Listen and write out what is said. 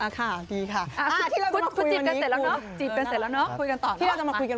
ขอบคุณมากครับ